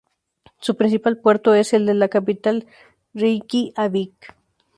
Sus principal puerto es el de la capital Reikiavik.